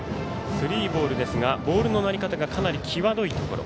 スリーボールですがボールのなり方がかなり際どいところ。